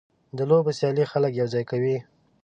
د لوبو سیالۍ خلک یوځای کوي.